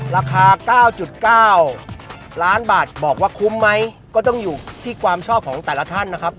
ราคา๙๙ล้านบาทบอกว่าคุ้มไหมก็ต้องอยู่ที่ความชอบของแต่ละท่านนะครับ